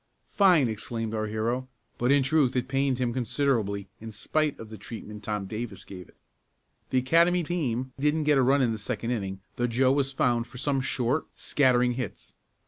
"Fine!" exclaimed our hero, but in truth it pained him considerably in spite of the treatment Tom Davis gave it. The Academy team didn't get a run in the second inning though Joe was found for some short, scattering hits.